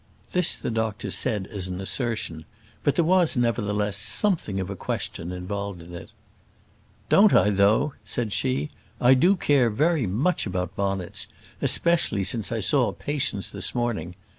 This the doctor said as an assertion; but there was, nevertheless, somewhat of a question involved in it. "Don't I, though?" said she. "I do care very much about bonnets; especially since I saw Patience this morning.